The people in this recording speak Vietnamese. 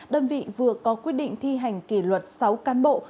đơn vị vừa có quyết định thi hành kỳ luật sáu can bộ